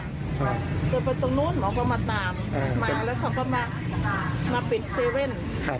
แล้วก็มาปิดเซเว่น